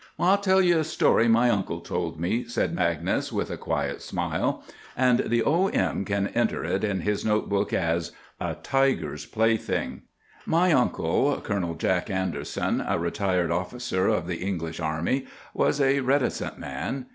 "I'll tell you a story my uncle told me," said Magnus with a quiet smile. "And the O. M. can enter it in his note book as— 'A TIGER'S PLAYTHING.' "My uncle, Colonel Jack Anderson, a retired officer of the English army, was a reticent man.